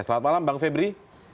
selamat malam bang febri